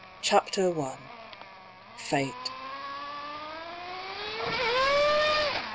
CHAPTER I. FATE.